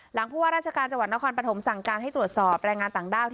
ผู้ว่าราชการจังหวัดนครปฐมสั่งการให้ตรวจสอบแรงงานต่างด้าว